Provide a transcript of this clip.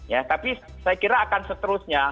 ya tapi saya kira akan seterusnya